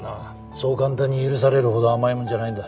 そう簡単に許されるほど甘いもんじゃないんだ。